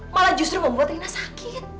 malah justru membuat rina sakit